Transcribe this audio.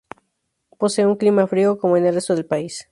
Posee un clima frío, como en el resto del país.